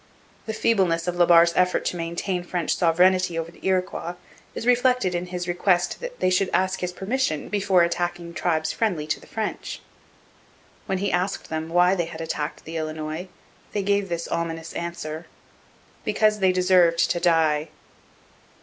The feebleness of La Barre's effort to maintain French sovereignty over the Iroquois is reflected in his request that they should ask his permission before attacking tribes friendly to the French. When he asked them why they had attacked the Illinois, they gave this ominous answer: 'Because they deserved to die.'